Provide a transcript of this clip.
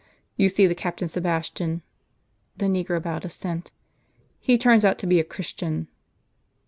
"You see the captain Sebastian?" The negro bowed assent. " He turns out to be a Christian